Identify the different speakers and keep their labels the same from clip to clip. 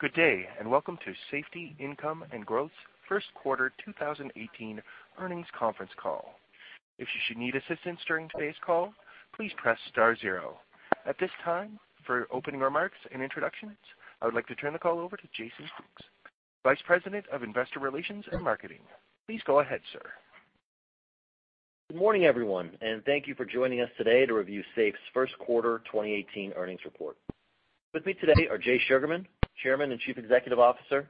Speaker 1: Good day, and welcome to Safety, Income and Growth's first quarter 2018 earnings conference call. If you should need assistance during today's call, please press star zero. At this time, for opening remarks and introductions, I would like to turn the call over to Jason Fooks, Vice President of Investor Relations and Marketing. Please go ahead, sir.
Speaker 2: Good morning, everyone, and thank you for joining us today to review SAFE's first quarter 2018 earnings report. With me today are Jay Sugarman, Chairman and Chief Executive Officer,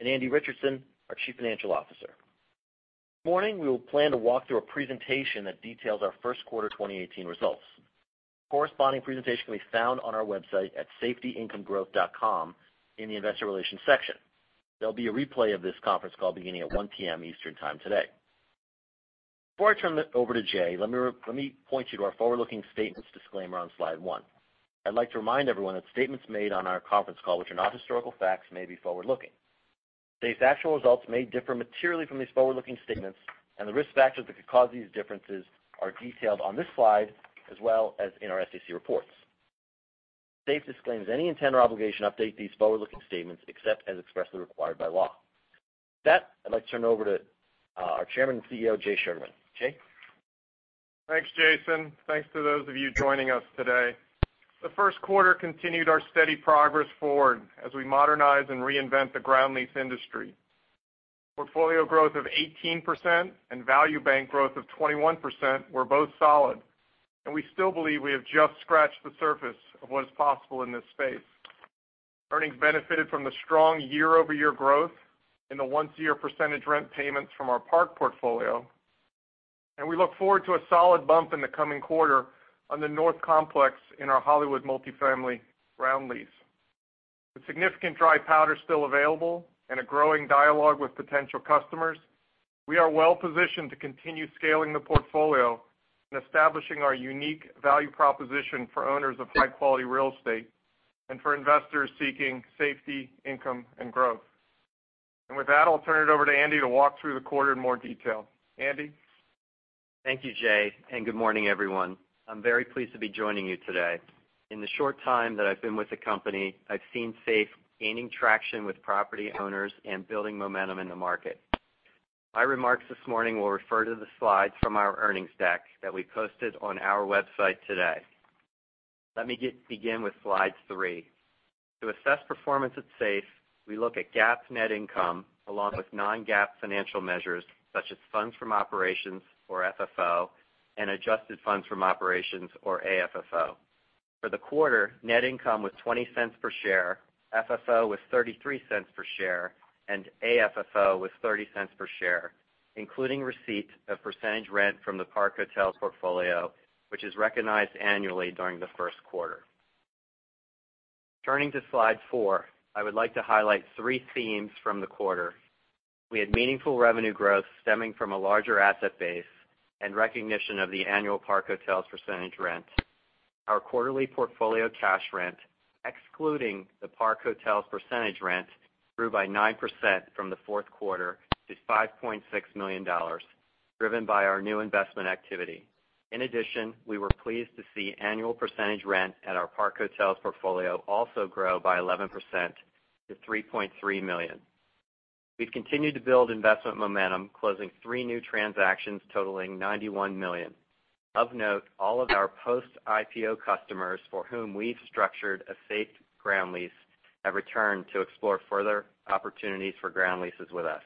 Speaker 2: and Andy Richardson, our Chief Financial Officer. This morning, we will plan to walk through a presentation that details our first quarter 2018 results. The corresponding presentation can be found on our website at safeholdinc.com in the investor relations section. There'll be a replay of this conference call beginning at 1:00 P.M. Eastern Time today. Before I turn it over to Jay, let me point you to our forward-looking statements disclaimer on slide one. I'd like to remind everyone that statements made on our conference call, which are not historical facts, may be forward-looking. SAFE's actual results may differ materially from these forward-looking statements, and the risk factors that could cause these differences are detailed on this slide, as well as in our SEC reports. SAFE disclaims any intent or obligation to update these forward-looking statements except as expressly required by law. With that, I'd like to turn it over to our chairman and CEO, Jay Sugarman. Jay?
Speaker 3: Thanks, Jason. Thanks to those of you joining us today. The first quarter continued our steady progress forward as we modernize and reinvent the ground lease industry. Portfolio growth of 18% and Value Bank growth of 21% were both solid, and we still believe we have just scratched the surface of what is possible in this space. Earnings benefited from the strong year-over-year growth in the once-a-year percentage rent payments from our Park portfolio. We look forward to a solid bump in the coming quarter on the North Complex in our Hollywood multifamily ground lease. With significant dry powder still available and a growing dialogue with potential customers, we are well positioned to continue scaling the portfolio and establishing our unique value proposition for owners of high-quality real estate and for investors seeking Safety, Income, and Growth. I'll turn it over to Andy to walk through the quarter in more detail. Andy?
Speaker 4: Thank you, Jay, good morning, everyone. I'm very pleased to be joining you today. In the short time that I've been with the company, I've seen SAFE gaining traction with property owners and building momentum in the market. My remarks this morning will refer to the slides from our earnings deck that we posted on our website today. Let me begin with slide three. To assess performance at SAFE, we look at GAAP net income along with non-GAAP financial measures such as funds from operations, or FFO, and adjusted funds from operations, or AFFO. For the quarter, net income was $0.20 per share, FFO was $0.33 per share, and AFFO was $0.30 per share, including receipt of percentage rent from the Park Hotels portfolio, which is recognized annually during the first quarter. Turning to slide four, I would like to highlight three themes from the quarter. We had meaningful revenue growth stemming from a larger asset base and recognition of the annual Park Hotels percentage rent. Our quarterly portfolio cash rent, excluding the Park Hotels percentage rent, grew by 9% from the fourth quarter to $5.6 million, driven by our new investment activity. In addition, we were pleased to see annual percentage rent at our Park Hotels portfolio also grow by 11% to $3.3 million. We've continued to build investment momentum, closing three new transactions totaling $91 million. Of note, all of our post-IPO customers for whom we've structured a SAFE ground lease have returned to explore further opportunities for ground leases with us.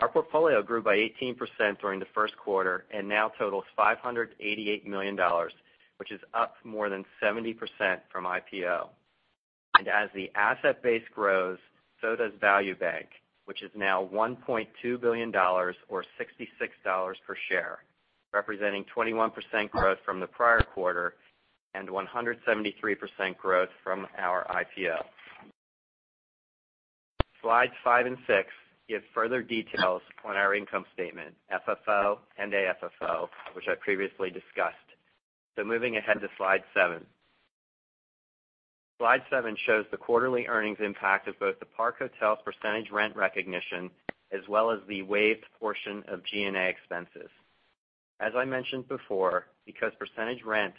Speaker 4: Our portfolio grew by 18% during the first quarter and now totals $588 million, which is up more than 70% from IPO. As the asset base grows, so does Value Bank, which is now $1.2 billion, or $66 per share, representing 21% growth from the prior quarter and 173% growth from our IPO. Slides five and six give further details on our income statement, FFO and AFFO, which I previously discussed. Moving ahead to slide seven. Slide seven shows the quarterly earnings impact of both the Park Hotels percentage rent recognition as well as the waived portion of G&A expenses. As I mentioned before, because percentage rent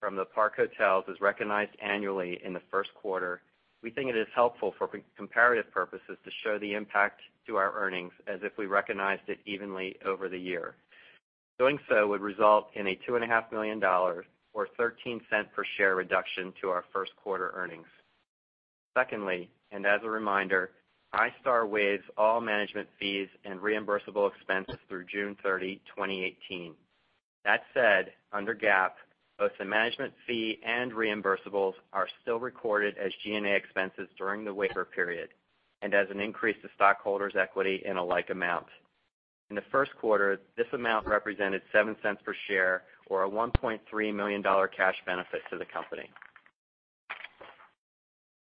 Speaker 4: from the Park Hotels is recognized annually in the first quarter, we think it is helpful for comparative purposes to show the impact to our earnings as if we recognized it evenly over the year. Doing so would result in a $2.5 million, or $0.13 per share reduction to our first quarter earnings. Secondly, as a reminder, iStar waives all management fees and reimbursable expenses through June 30, 2018. That said, under GAAP, both the management fee and reimbursables are still recorded as G&A expenses during the waiver period and as an increase to stockholders' equity in a like amount. In the first quarter, this amount represented $0.07 per share or a $1.3 million cash benefit to the company.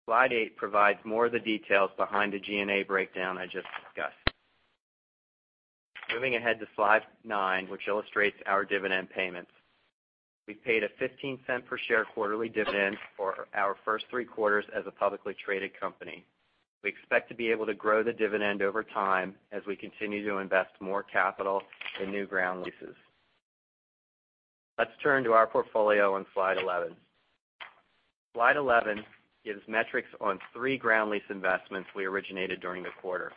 Speaker 4: Slide eight provides more of the details behind the G&A breakdown I just discussed. Moving ahead to slide nine, which illustrates our dividend payments. We paid a $0.15 per share quarterly dividend for our first three quarters as a publicly traded company. We expect to be able to grow the dividend over time as we continue to invest more capital in new ground leases. Let's turn to our portfolio on slide 11. Slide 11 gives metrics on three ground lease investments we originated during the quarter.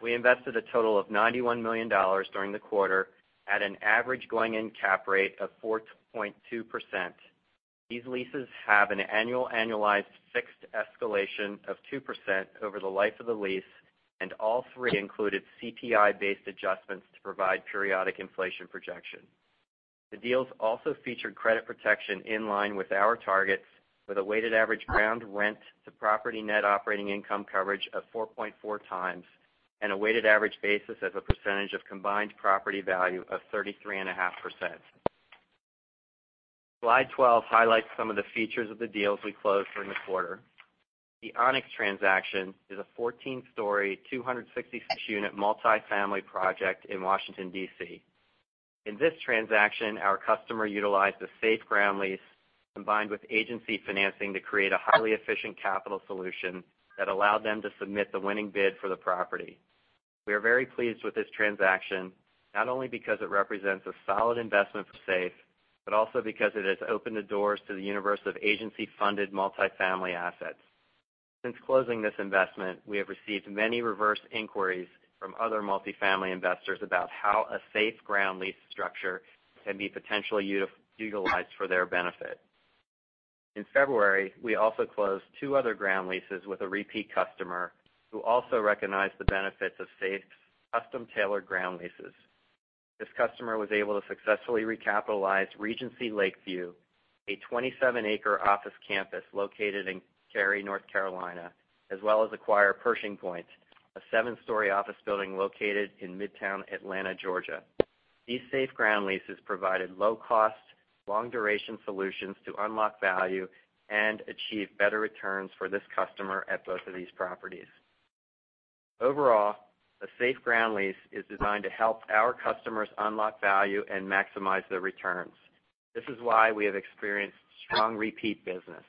Speaker 4: We invested a total of $91 million during the quarter at an average going-in cap rate of 4.2%. These leases have an annual annualized fixed escalation of 2% over the life of the lease, and all three included CPI-based adjustments to provide periodic inflation projection. The deals also featured credit protection in line with our targets, with a weighted average ground rent to property net operating income coverage of 4.4 times, and a weighted average basis as a percentage of combined property value of 33.5%. Slide 12 highlights some of the features of the deals we closed during the quarter. The Onyx transaction is a 14-story, 266-unit multi-family project in Washington, D.C. In this transaction, our customer utilized a SAFE ground lease combined with agency financing to create a highly efficient capital solution that allowed them to submit the winning bid for the property. We are very pleased with this transaction, not only because it represents a solid investment for SAFE, but also because it has opened the doors to the universe of agency-funded multi-family assets. Since closing this investment, we have received many reverse inquiries from other multi-family investors about how a SAFE ground lease structure can be potentially utilized for their benefit. In February, we also closed two other ground leases with a repeat customer, who also recognized the benefits of SAFE's custom-tailored ground leases. This customer was able to successfully recapitalize Regency Lakeview, a 27-acre office campus located in Cary, North Carolina, as well as acquire Pershing Point, a seven-story office building located in Midtown Atlanta, Georgia. These SAFE ground leases provided low-cost, long-duration solutions to unlock value and achieve better returns for this customer at both of these properties. Overall, the SAFE ground lease is designed to help our customers unlock value and maximize their returns. This is why we have experienced strong repeat business.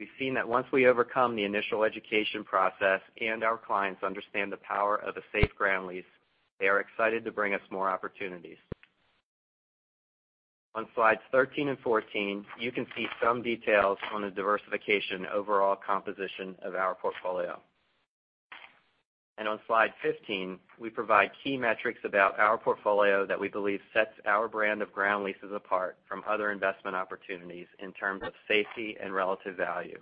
Speaker 4: We've seen that once we overcome the initial education process and our clients understand the power of a SAFE ground lease, they are excited to bring us more opportunities. On slides 13 and 14, you can see some details on the diversification overall composition of our portfolio. On slide 15, we provide key metrics about our portfolio that we believe sets our brand of ground leases apart from other investment opportunities in terms of safety and relative value.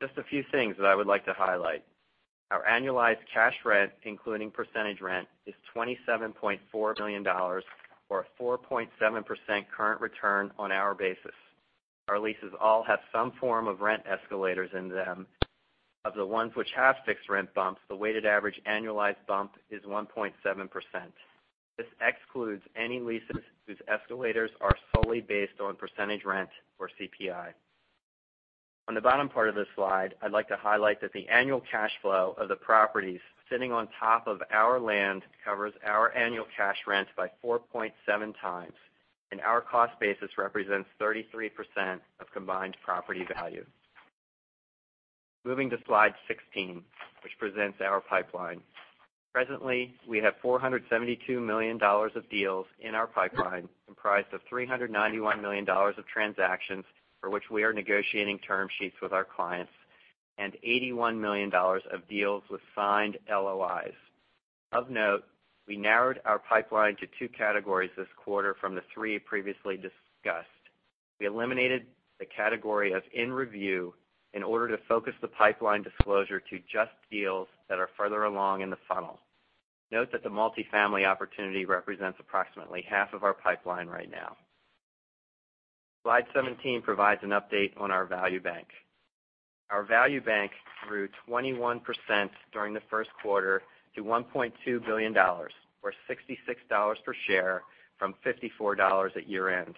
Speaker 4: Just a few things that I would like to highlight. Our annualized cash rent, including percentage rent, is $27.4 million, or a 4.7% current return on our basis. Our leases all have some form of rent escalators in them. Of the ones which have fixed rent bumps, the weighted average annualized bump is 1.7%. This excludes any leases whose escalators are solely based on percentage rent or CPI. On the bottom part of this slide, I'd like to highlight that the annual cash flow of the properties sitting on top of our land covers our annual cash rent by 4.7 times, and our cost basis represents 33% of combined property value. Moving to slide 16, which presents our pipeline. Presently, we have $472 million of deals in our pipeline, comprised of $391 million of transactions for which we are negotiating term sheets with our clients, and $81 million of deals with signed LOIs. Of note, we narrowed our pipeline to 2 categories this quarter from the 3 previously discussed. We eliminated the category of in review in order to focus the pipeline disclosure to just deals that are further along in the funnel. Note that the multifamily opportunity represents approximately half of our pipeline right now. Slide 17 provides an update on our Value Bank. Our Value Bank grew 21% during the first quarter to $1.2 billion, or $66 per share, from $54 at year-end.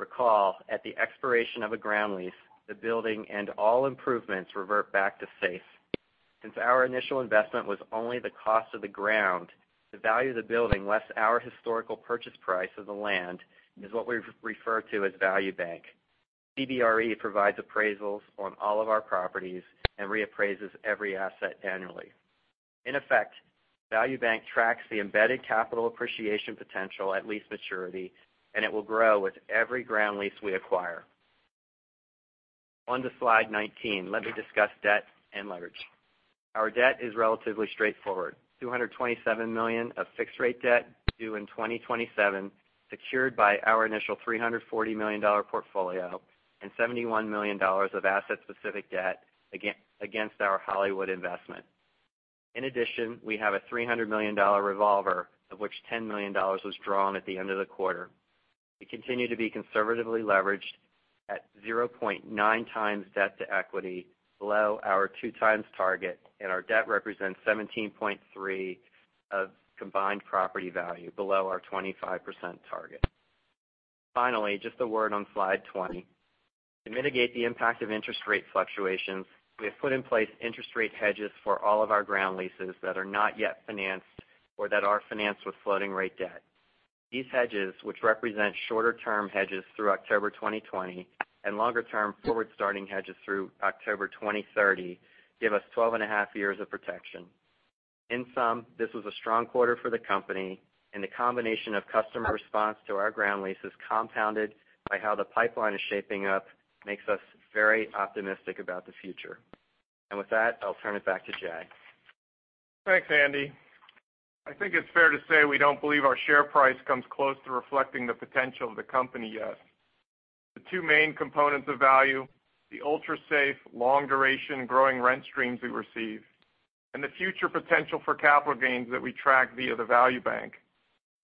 Speaker 4: Recall, at the expiration of a ground lease, the building and all improvements revert back to SAFE. Since our initial investment was only the cost of the ground, the value of the building less our historical purchase price of the land is what we refer to as Value Bank. CBRE provides appraisals on all of our properties and reappraises every asset annually. In effect, Value Bank tracks the embedded capital appreciation potential at lease maturity, and it will grow with every ground lease we acquire. On to slide 19. Let me discuss debt and leverage. Our debt is relatively straightforward. $227 million of fixed-rate debt due in 2027, secured by our initial $340 million portfolio, and $71 million of asset-specific debt against our Hollywood investment. In addition, we have a $300 million revolver, of which $10 million was drawn at the end of the quarter. We continue to be conservatively leveraged at 0.9 times debt to equity, below our two times target, and our debt represents 17.3% of combined property value below our 25% target. Finally, just a word on slide 20. To mitigate the impact of interest rate fluctuations, we have put in place interest rate hedges for all of our ground leases that are not yet financed or that are financed with floating rate debt. These hedges, which represent shorter-term hedges through October 2020 and longer-term forward starting hedges through October 2030, give us 12 and a half years of protection. In sum, this was a strong quarter for the company, and the combination of customer response to our ground leases compounded by how the pipeline is shaping up makes us very optimistic about the future. With that, I'll turn it back to Jay.
Speaker 3: Thanks, Andy. I think it's fair to say we don't believe our share price comes close to reflecting the potential of the company yet. The two main components of value, the ultra-safe, long-duration growing rent streams we receive, and the future potential for capital gains that we track via the Value Bank,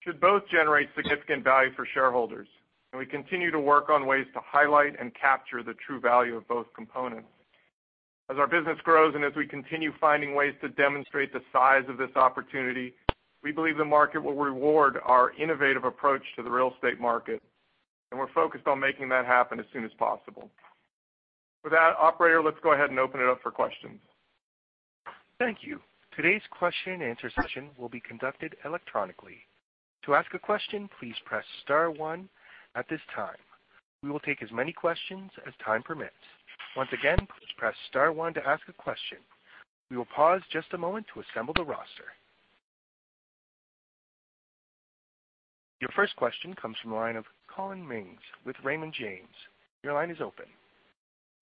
Speaker 3: should both generate significant value for shareholders. We continue to work on ways to highlight and capture the true value of both components. As our business grows and as we continue finding ways to demonstrate the size of this opportunity, we believe the market will reward our innovative approach to the real estate market. We're focused on making that happen as soon as possible. With that, operator, let's go ahead and open it up for questions.
Speaker 1: Thank you. Today's question and answer session will be conducted electronically. To ask a question, please press star one at this time. We will take as many questions as time permits. Once again, please press star one to ask a question. We will pause just a moment to assemble the roster. Your first question comes from the line of Collin Mings with Raymond James. Your line is open.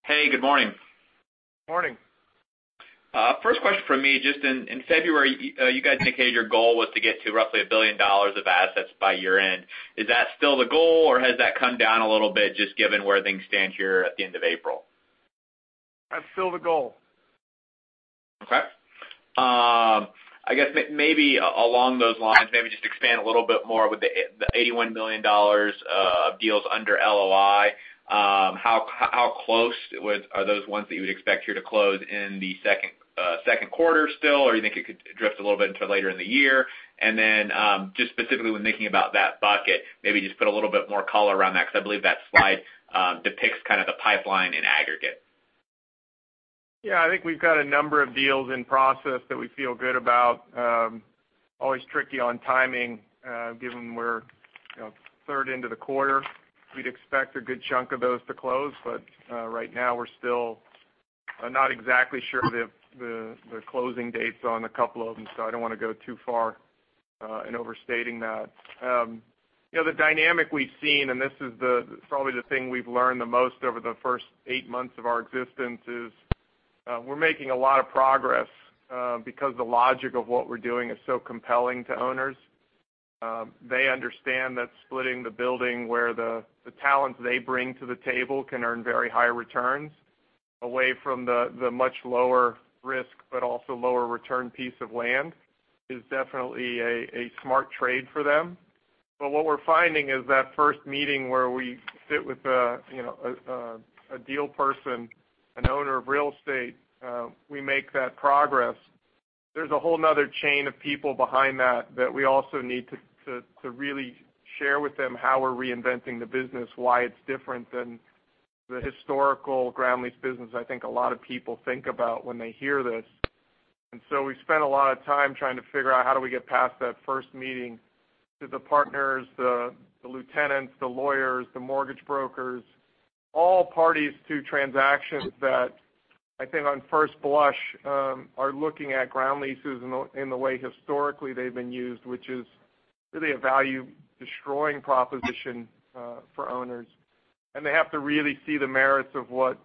Speaker 5: Hey, good morning.
Speaker 3: Morning.
Speaker 5: First question from me. Just in February, you guys indicated your goal was to get to roughly $1 billion of assets by year-end. Is that still the goal, or has that come down a little bit just given where things stand here at the end of April?
Speaker 3: That's still the goal.
Speaker 5: Okay. I guess maybe along those lines, maybe just expand a little bit more with the $81 million of deals under LOI. How close are those ones that you would expect here to close in the second quarter still, or you think it could drift a little bit into later in the year? Just specifically when thinking about that bucket, maybe just put a little bit more color around that, because I believe that slide depicts kind of the pipeline in aggregate.
Speaker 3: Yeah. I think we've got a number of deals in process that we feel good about. Always tricky on timing, given we're a third into the quarter. We'd expect a good chunk of those to close. Right now we're still not exactly sure of the closing dates on a couple of them, so I don't want to go too far in overstating that. The dynamic we've seen, and this is probably the thing we've learned the most over the first eight months of our existence, is we're making a lot of progress because the logic of what we're doing is so compelling to owners. They understand that splitting the building where the talent they bring to the table can earn very high returns away from the much lower risk but also lower return piece of land is definitely a smart trade for them. What we're finding is that first meeting where we sit with a deal person, an owner of real estate, we make that progress. There's a whole another chain of people behind that we also need to really share with them how we're reinventing the business, why it's different than the historical ground lease business I think a lot of people think about when they hear this. We've spent a lot of time trying to figure out how do we get past that first meeting to the partners, the lieutenants, the lawyers, the mortgage brokers, all parties to transactions that I think on first blush, are looking at ground leases in the way historically they've been used, which is really a value-destroying proposition for owners. They have to really see the merits of what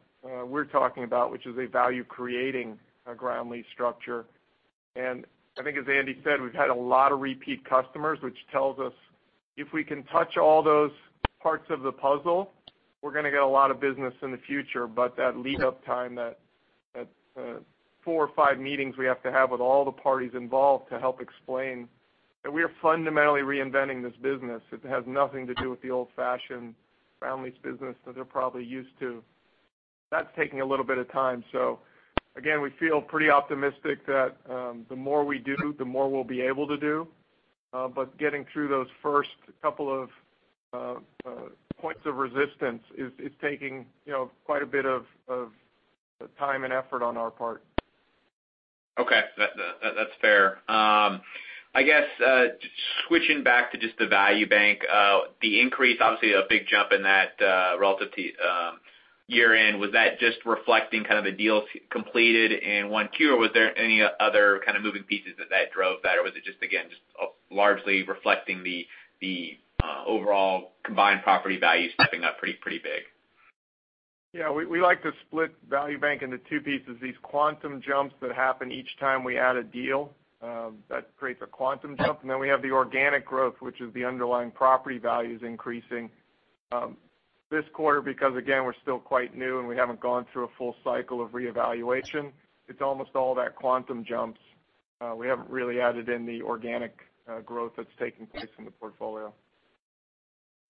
Speaker 3: we're talking about, which is a value-creating ground lease structure. I think as Andy said, we've had a lot of repeat customers, which tells us if we can touch all those parts of the puzzle, we're going to get a lot of business in the future. That lead-up time, that four or five meetings we have to have with all the parties involved to help explain that we are fundamentally reinventing this business. It has nothing to do with the old-fashioned ground lease business that they're probably used to. That's taking a little bit of time. Again, we feel pretty optimistic that the more we do, the more we'll be able to do. Getting through those first couple of points of resistance is taking quite a bit of time and effort on our part.
Speaker 5: Okay. That's fair. I guess, switching back to just the Value Bank, the increase, obviously a big jump in that relative to year-end. Was that just reflecting kind of the deals completed in 1Q, or was there any other kind of moving pieces that drove that, or was it just, again, just largely reflecting the overall combined property value stepping up pretty big?
Speaker 3: Yeah. We like to split Value Bank into two pieces. These quantum jumps that happen each time we add a deal. That creates a quantum jump. Then we have the organic growth, which is the underlying property values increasing. This quarter, because again, we're still quite new and we haven't gone through a full cycle of reevaluation, it's almost all that quantum jumps. We haven't really added in the organic growth that's taking place in the portfolio.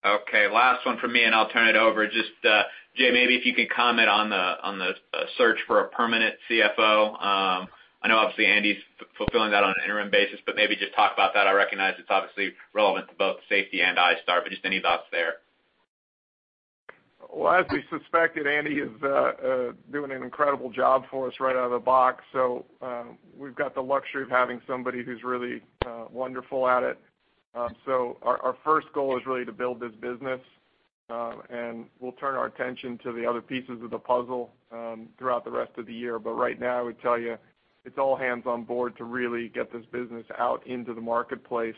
Speaker 5: Okay. Last one from me. I'll turn it over. Just, Jay, maybe if you could comment on the search for a permanent CFO. I know obviously Andy's fulfilling that on an interim basis, maybe just talk about that. I recognize it's obviously relevant to both Safety and iStar, just any thoughts there?
Speaker 3: As we suspected, Andy is doing an incredible job for us right out of the box. We've got the luxury of having somebody who's really wonderful at it. Our first goal is really to build this business. We'll turn our attention to the other pieces of the puzzle throughout the rest of the year. Right now, I would tell you, it's all hands on board to really get this business out into the marketplace.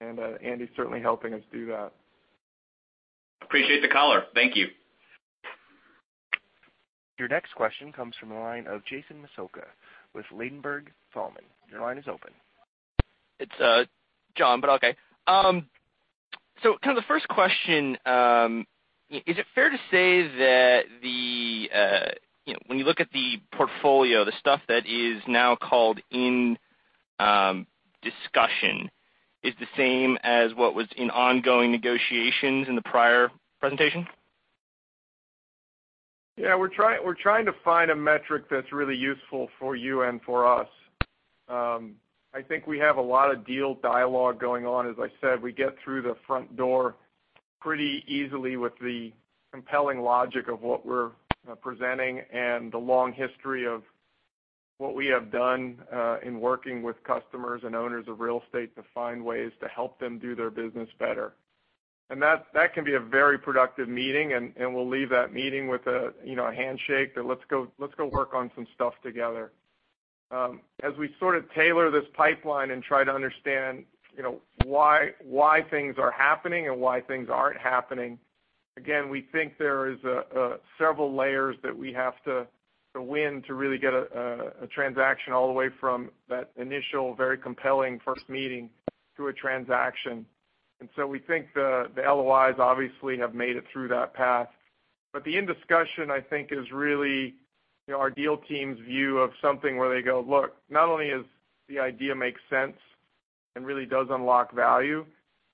Speaker 3: Andy's certainly helping us do that.
Speaker 5: Appreciate the color. Thank you.
Speaker 1: Your next question comes from the line of John Massocca with Ladenburg Thalmann. Your line is open.
Speaker 6: It's John, okay. Kind of the first question, is it fair to say that when you look at the portfolio, the stuff that is now called in discussion is the same as what was in ongoing negotiations in the prior presentation?
Speaker 3: Yeah, we're trying to find a metric that's really useful for you and for us. I think we have a lot of deal dialogue going on. As I said, we get through the front door pretty easily with the compelling logic of what we're presenting and the long history of what we have done in working with customers and owners of real estate to find ways to help them do their business better. That can be a very productive meeting, and we'll leave that meeting with a handshake that, let's go work on some stuff together. As we sort of tailor this pipeline and try to understand why things are happening and why things aren't happening, again, we think there is several layers that we have to win to really get a transaction all the way from that initial, very compelling first meeting to a transaction. We think the LOIs obviously have made it through that path. The in discussion, I think, is really our deal team's view of something where they go, look, not only is the idea makes sense and really does unlock value,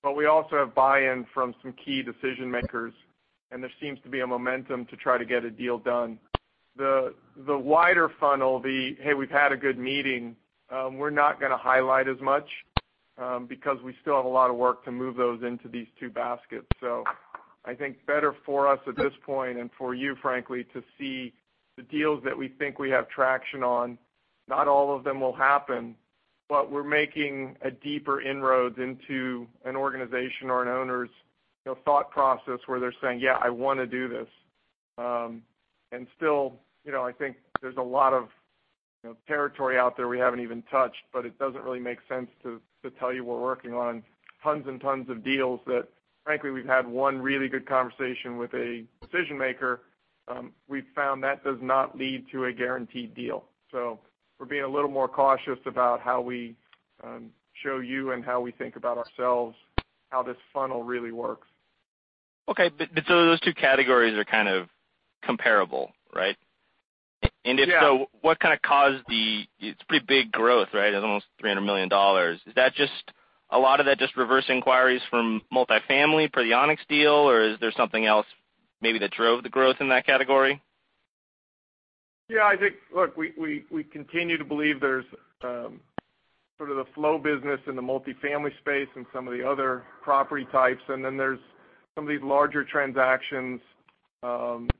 Speaker 3: but we also have buy-in from some key decision-makers, and there seems to be a momentum to try to get a deal done. The wider funnel, the, hey, we've had a good meeting, we're not going to highlight as much, because we still have a lot of work to move those into these two baskets. I think better for us at this point and for you, frankly, to see the deals that we think we have traction on. Not all of them will happen, but we're making a deeper inroads into an organization or an owner's thought process where they're saying, "Yeah, I want to do this." Still, I think there's a lot of territory out there we haven't even touched, but it doesn't really make sense to tell you we're working on tons and tons of deals that frankly, we've had one really good conversation with a decision-maker. We've found that does not lead to a guaranteed deal. We're being a little more cautious about how we show you and how we think about ourselves, how this funnel really works.
Speaker 6: Okay. Those two categories are kind of comparable, right?
Speaker 3: Yeah.
Speaker 6: If so, what kind of caused it's pretty big growth, right? Almost $300 million. Is a lot of that just reverse inquiries from multifamily per the Onyx deal, or is there something else maybe that drove the growth in that category?
Speaker 3: Yeah, I think, look, we continue to believe there's sort of the flow business in the multifamily space and some of the other property types, there's some of these larger transactions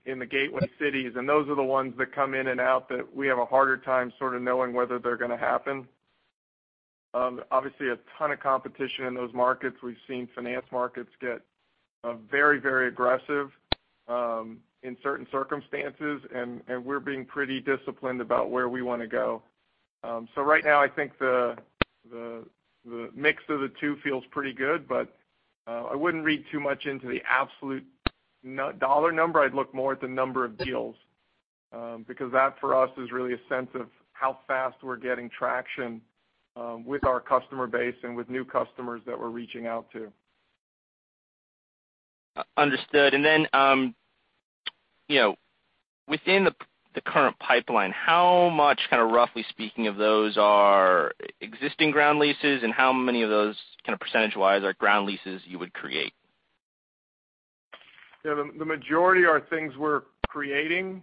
Speaker 3: in the gateway cities, and those are the ones that come in and out that we have a harder time sort of knowing whether they're going to happen. Obviously, a ton of competition in those markets. We've seen finance markets get very aggressive, in certain circumstances, and we're being pretty disciplined about where we want to go. Right now, I think the mix of the two feels pretty good, I wouldn't read too much into the absolute dollar number. I'd look more at the number of deals. That, for us, is really a sense of how fast we're getting traction with our customer base and with new customers that we're reaching out to.
Speaker 6: Understood. Within the current pipeline, how much, kind of roughly speaking, of those are existing ground leases, and how many of those, kind of percentage-wise, are ground leases you would create?
Speaker 3: The majority are things we're creating.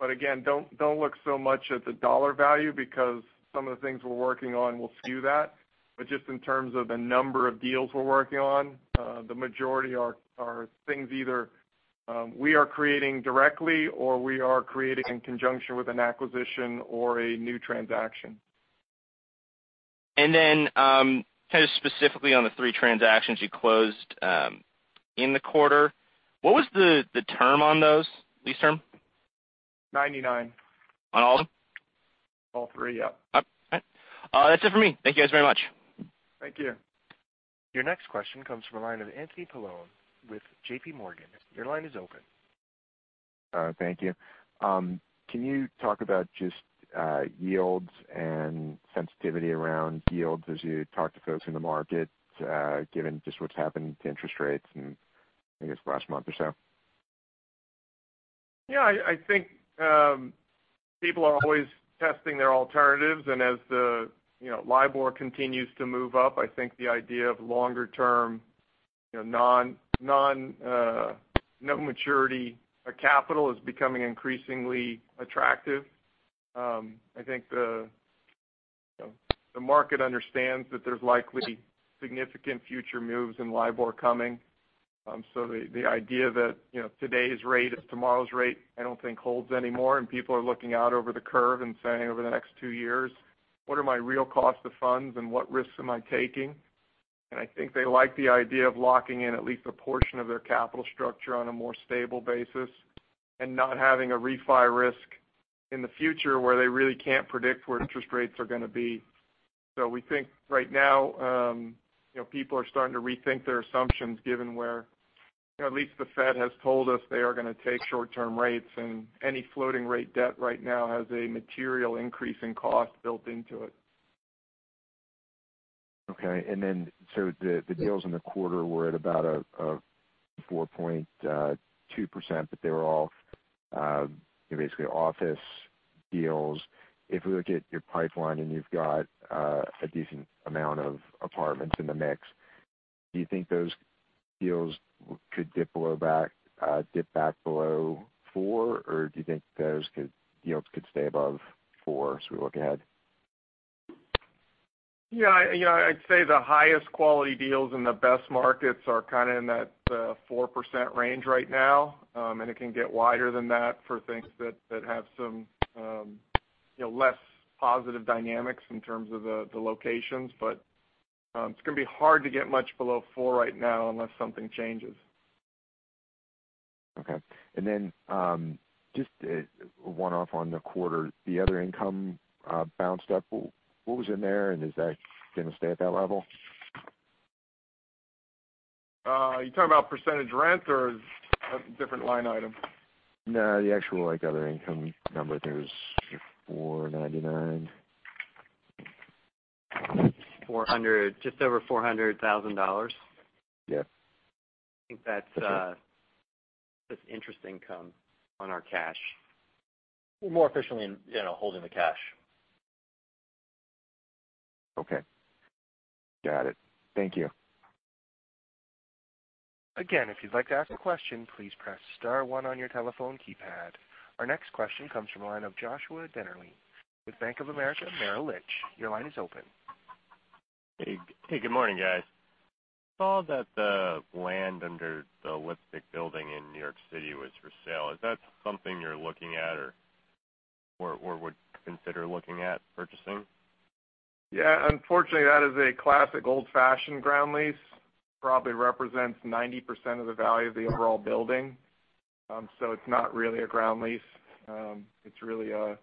Speaker 3: Again, don't look so much at the dollar value because some of the things we're working on will skew that. Just in terms of the number of deals we're working on, the majority are things either we are creating directly or we are creating in conjunction with an acquisition or a new transaction.
Speaker 6: Specifically on the three transactions you closed in the quarter, what was the term on those, lease term?
Speaker 3: Ninety-nine.
Speaker 6: On all of them?
Speaker 3: All three, yep.
Speaker 6: Okay. That's it for me. Thank you guys very much.
Speaker 3: Thank you.
Speaker 1: Your next question comes from the line of Anthony Paolone with J.P. Morgan. Your line is open.
Speaker 7: Thank you. Can you talk about just yields and sensitivity around yields as you talk to folks in the market, given just what's happened to interest rates in, I guess, the last month or so?
Speaker 3: I think people are always testing their alternatives. As the LIBOR continues to move up, I think the idea of longer-term no maturity capital is becoming increasingly attractive. I think the market understands that there's likely significant future moves in LIBOR coming. The idea that today's rate is tomorrow's rate, I don't think holds anymore, and people are looking out over the curve and saying over the next two years What are my real cost of funds and what risks am I taking? I think they like the idea of locking in at least a portion of their capital structure on a more stable basis and not having a refi risk in the future where they really can't predict where interest rates are going to be. We think right now, people are starting to rethink their assumptions given where at least the Fed has told us they are going to take short-term rates, and any floating rate debt right now has a material increase in cost built into it.
Speaker 7: The deals in the quarter were at about a 4.2%, but they were all basically office deals. If we look at your pipeline and you've got a decent amount of apartments in the mix, do you think those deals could dip back below 4, or do you think those yields could stay above 4 as we look ahead?
Speaker 3: I'd say the highest quality deals in the best markets are kind of in that 4% range right now. It can get wider than that for things that have some less positive dynamics in terms of the locations. It's going to be hard to get much below 4 right now unless something changes.
Speaker 7: Just a one-off on the quarter, the other income bounced up. What was in there, and is that going to stay at that level?
Speaker 3: Are you talking about percentage rent or a different line item?
Speaker 7: No, the actual other income number. There's $499.
Speaker 4: Just over $400,000.
Speaker 7: Yeah.
Speaker 4: I think that's just interest income on our cash.
Speaker 3: More efficiently in holding the cash.
Speaker 7: Okay. Got it. Thank you.
Speaker 1: Again, if you'd like to ask a question, please press *1 on your telephone keypad. Our next question comes from the line of Joshua Dennerlein with Bank of America Merrill Lynch. Your line is open.
Speaker 8: Hey, good morning, guys. Saw that the land under the Lipstick Building in New York City was for sale. Is that something you're looking at or would consider looking at purchasing?
Speaker 3: That is a classic old-fashioned ground lease. Probably represents 90% of the value of the overall building. It's not really a ground lease. It's really a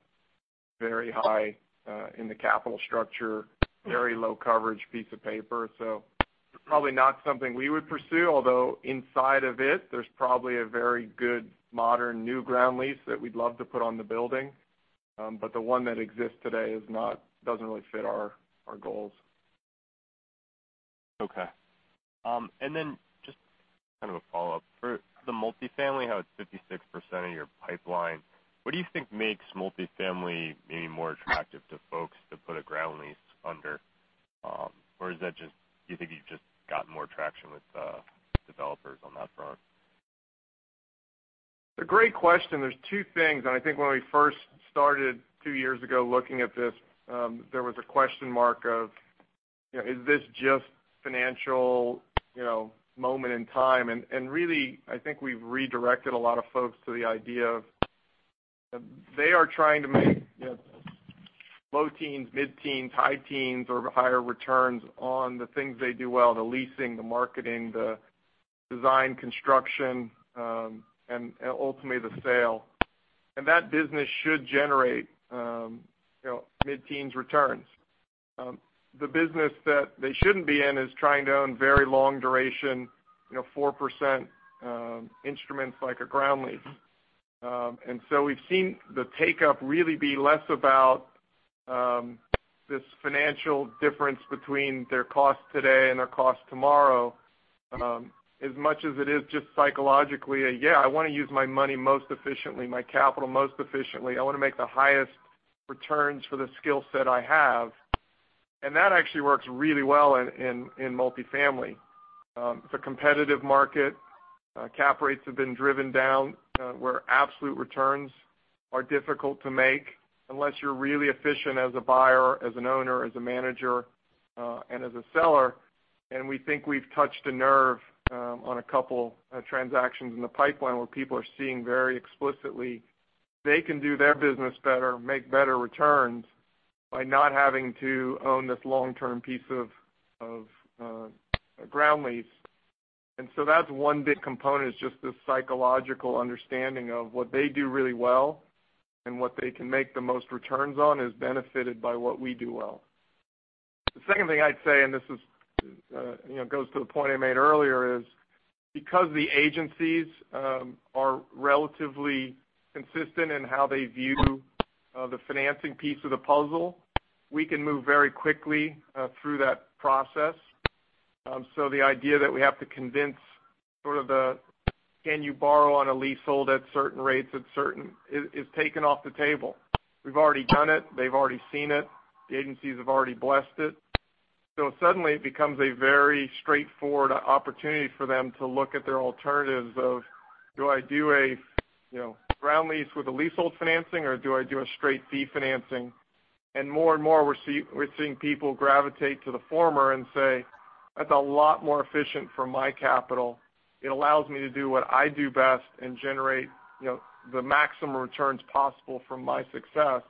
Speaker 3: very high in the capital structure, very low coverage piece of paper. Probably not something we would pursue, although inside of it, there's probably a very good modern new ground lease that we'd love to put on the building. The one that exists today doesn't really fit our goals.
Speaker 8: Okay. Just kind of a follow-up. For the multifamily, how it's 56% of your pipeline, what do you think makes multifamily maybe more attractive to folks to put a ground lease under? Do you think you've just got more traction with developers on that front?
Speaker 3: A great question. There's two things, I think when we first started two years ago looking at this, there was a question mark of, is this just a financial moment in time? Really, I think we've redirected a lot of folks to the idea of they are trying to make low teens, mid-teens, high teens, or higher returns on the things they do well, the leasing, the marketing, the design, construction, and ultimately, the sale. That business should generate mid-teens returns. The business that they shouldn't be in is trying to own very long duration, 4% instruments like a ground lease. We've seen the take-up really be less about this financial difference between their cost today and their cost tomorrow, as much as it is just psychologically a, "Yeah, I want to use my money most efficiently, my capital most efficiently. I want to make the highest returns for the skill set I have." That actually works really well in multifamily. It's a competitive market. Cap rates have been driven down, where absolute returns are difficult to make unless you're really efficient as a buyer, as an owner, as a manager, and as a seller. We think we've touched a nerve on a couple of transactions in the pipeline where people are seeing very explicitly they can do their business better, make better returns by not having to own this long-term piece of ground lease. That's one big component, is just this psychological understanding of what they do really well and what they can make the most returns on is benefited by what we do well. The second thing I'd say, this goes to the point I made earlier, is because the agencies are relatively consistent in how they view the financing piece of the puzzle, we can move very quickly through that process. The idea that we have to convince sort of the, can you borrow on a leasehold at certain rates is taken off the table. We've already done it. They've already seen it. The agencies have already blessed it. Suddenly, it becomes a very straightforward opportunity for them to look at their alternatives of, do I do a ground lease with a leasehold financing, or do I do a straight fee financing? More and more, we're seeing people gravitate to the former and say, That's a lot more efficient for my capital. It allows me to do what I do best and generate the maximum returns possible from my success,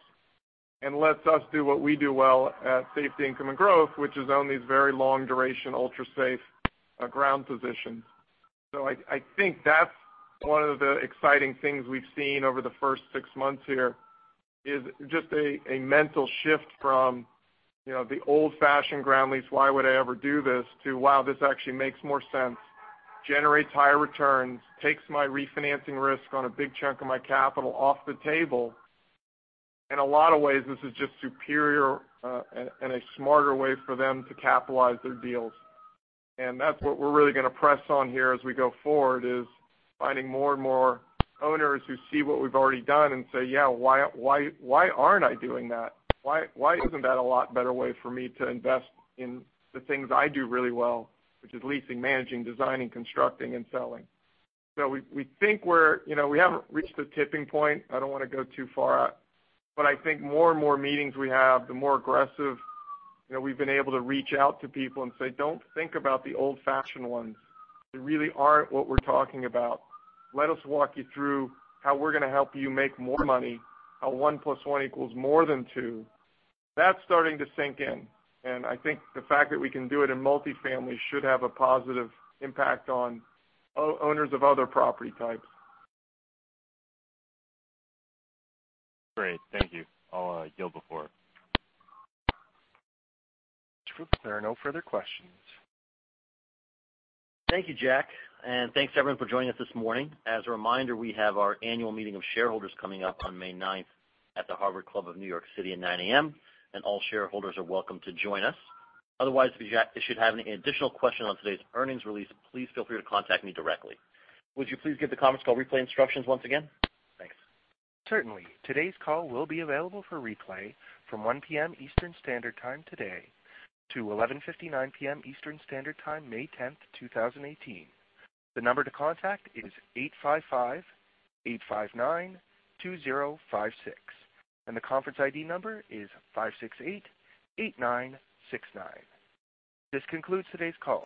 Speaker 3: and lets us do what we do well at Safety, Income and Growth, which is own these very long duration, ultra-safe ground positions. I think that's one of the exciting things we've seen over the first six months here is just a mental shift from the old-fashioned ground lease, "Why would I ever do this?" to, "Wow. This actually makes more sense, generates higher returns, takes my refinancing risk on a big chunk of my capital off the table." In a lot of ways, this is just superior and a smarter way for them to capitalize their deals. That's what we're really going to press on here as we go forward, is finding more and more owners who see what we've already done and say, "Yeah, why aren't I doing that? Why isn't that a lot better way for me to invest in the things I do really well, which is leasing, managing, designing, constructing, and selling?" We think we haven't reached the tipping point. I don't want to go too far out. I think more and more meetings we have, the more aggressive we've been able to reach out to people and say, "Don't think about the old-fashioned ones. They really aren't what we're talking about. Let us walk you through how we're going to help you make more money, how one plus one equals more than two. That's starting to sink in, I think the fact that we can do it in multifamily should have a positive impact on owners of other property types.
Speaker 8: Great. Thank you. I'll yield the floor.
Speaker 1: There are no further questions.
Speaker 2: Thank you, Jack, and thanks, everyone, for joining us this morning. As a reminder, we have our annual meeting of shareholders coming up on May ninth at the Harvard Club of New York City at 9:00 A.M., and all shareholders are welcome to join us. Otherwise, if you should have any additional questions on today's earnings release, please feel free to contact me directly. Would you please give the conference call replay instructions once again? Thanks.
Speaker 1: Certainly. Today's call will be available for replay from 1:00 P.M. Eastern Standard Time today to 11:59 P.M. Eastern Standard Time May tenth, 2018. The number to contact is 855, 859, 2056, and the conference ID number is 568, 8969. This concludes today's call.